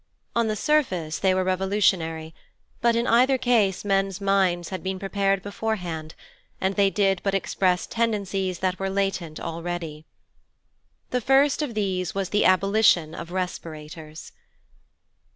On the surface they were revolutionary, but in either case men's minds had been prepared beforehand, and they did but express tendencies that were latent already. The first of these was the abolition of respirators.